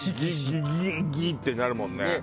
ギギギギッてなるもんね。